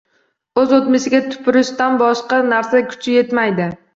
O’z o‘tmishiga tupurishdan boshqa narsaga kuchi yetmaydi.